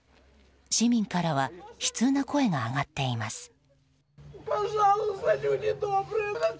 市民からは悲痛な声が上がっています。